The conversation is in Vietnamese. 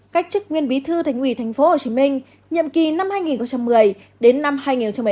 cách chức nguyên bí thư thành quỷ thành phố hồ chí minh nhậm kỳ năm hai nghìn một mươi đến năm hai nghìn một mươi năm